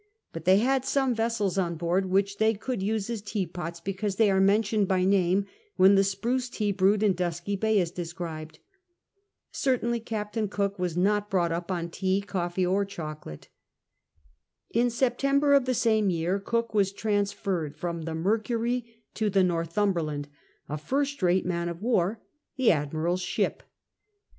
But they had some vessels on board which they could use as teapots, because they are mentioned by name when the spruce tea brewed in Dusky Bay is described. Certainly Captain Cook was not brought up on tea, coffee, or chocolate. In September of the same year Cook was trans ferred from the Mmury to the Northumberland, a first rate man of war, the Admiral's ship.